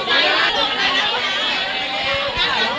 นี่จากไหนเหรอ